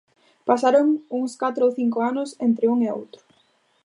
Pasaron uns catro ou cinco anos entre un e outro.